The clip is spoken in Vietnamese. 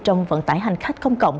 trong vận tải hành khách công cộng